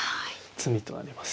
詰みとなります。